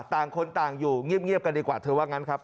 ต่างคนต่างอยู่เงียบกันดีกว่าเธอว่างั้นครับ